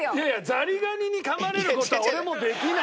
ザリガニにかまれる事は俺もできない。